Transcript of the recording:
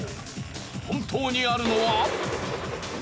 本当にあるのは。